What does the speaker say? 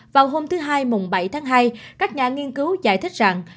vào hôm thứ hai mùng bảy tháng hai các nhà nghiên cứu giải thích rằng